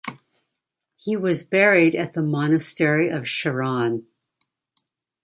He was buried at the Monastery of Shahran.